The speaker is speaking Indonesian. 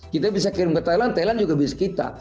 kita bisa kirim ke thailand thailand juga bisa kita